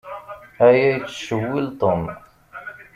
Aya yettcewwil Tom.